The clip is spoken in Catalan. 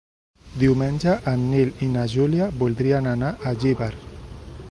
Diumenge en Nil i na Júlia voldrien anar a Llíber.